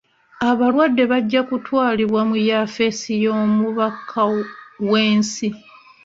Abalwadde bajja kutwalibbwa ku yaffesi y'omubaka w'ensi.